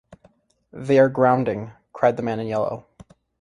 “They are grounding!” cried the man in yellow.